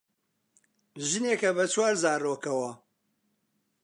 ژنێکە بە چوار زارۆکەوە